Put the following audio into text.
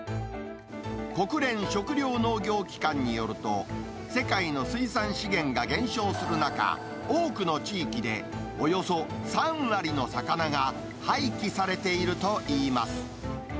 国連食糧農業機関によると、世界の水産資源が減少する中、多くの地域でおよそ３割の魚が廃棄されているといいます。